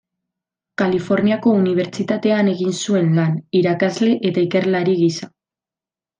Kaliforniako Unibertsitatean egin zuen lan, irakasle eta ikerlari gisa.